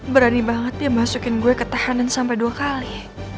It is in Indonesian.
berani banget dia masukin gue ke tahanan sampai dua kali